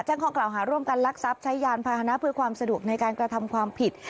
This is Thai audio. ข้อกล่าวหาร่วมกันลักทรัพย์ใช้ยานพาหนะเพื่อความสะดวกในการกระทำความผิด